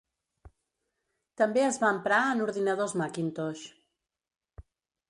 També es va emprar en ordinadors Macintosh.